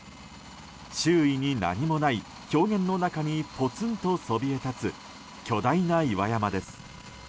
周囲に何もない氷原の中にポツンとそびえ立つ巨大な岩山です。